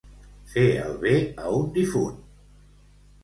Fer el bé a un difunt.